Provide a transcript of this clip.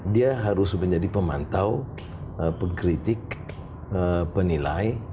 dia harus menjadi pemantau pengkritik penilai